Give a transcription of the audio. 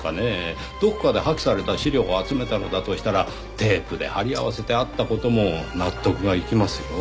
どこかで破棄された資料を集めたのだとしたらテープで貼り合わせてあった事も納得がいきますよ。